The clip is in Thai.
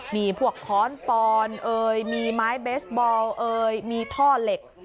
มีผวกค้อนปอนมีไม้เบสบอลมีท่อเหล็ก